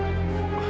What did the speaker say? dia di kamar